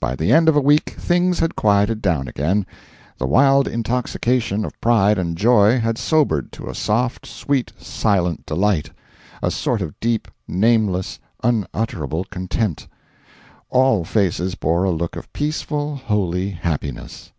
By the end of a week things had quieted down again; the wild intoxication of pride and joy had sobered to a soft, sweet, silent delight a sort of deep, nameless, unutterable content. All faces bore a look of peaceful, holy happiness.